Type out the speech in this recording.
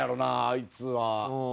あいつは。